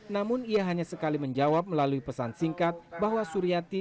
namun ia hanya sekali menjawab melalui pesan singkat bahwa suryati